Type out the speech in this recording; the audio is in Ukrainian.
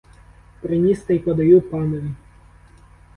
Приніс, та й подаю панові.